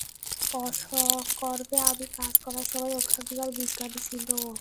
অসকর্পে আমি কাজ করার সময়ে ওখানকার বিজ্ঞানী ছিল ও।